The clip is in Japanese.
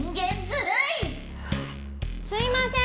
すいません！